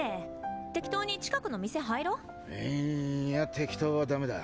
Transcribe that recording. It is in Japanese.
適当に近くの店入ろ。いんや適当はダメだ。